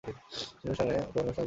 সে তোমার অনুষ্ঠানেও উপস্থিত ছিল।